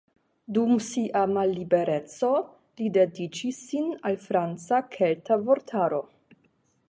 Dum sia mallibereco, li dediĉis sin al franca-kelta vortaro.